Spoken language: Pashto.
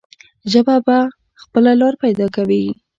ژبه به خپله لاره پیدا کوي.